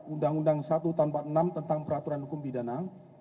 undang undang satu tanpa enam tentang peraturan hukum bidana